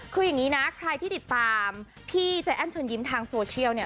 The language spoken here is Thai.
คืออย่างนี้นะใครที่ติดตามพี่ใจแอ้นเชิญยิ้มทางโซเชียลเนี่ย